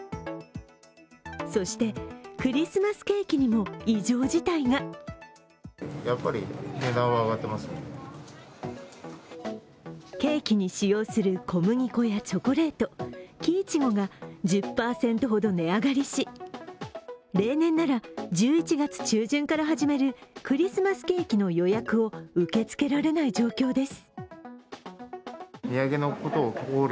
そして、クリスマスケーキにも異常事態がケーキに使用する小麦粉やチョコレート、きいちごが１０％ほど値上がりし、例年なら、１１月中旬から始めるクリスマスケーキの予約を受け付けられない状況です。